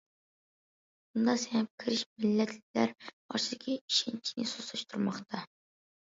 بۇنداق سىڭىپ كېرىش مىللەتلەر ئارىسىدىكى ئىشەنچنى سۇسلاشتۇرماقتا.